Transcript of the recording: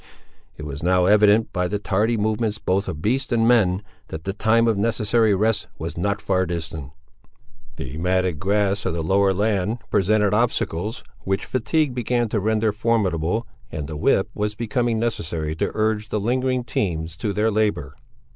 It was now evident, by the tardy movements both of beasts and men, that the time of necessary rest was not far distant. The matted grass of the lower land, presented obstacles which fatigue began to render formidable, and the whip was becoming necessary to urge the lingering teams to their labour.